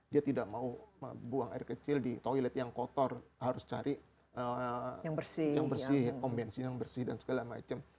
dia tidak mau buang air kecil di toilet yang kotor harus cari yang bersih om bensin yang bersih dan segala macam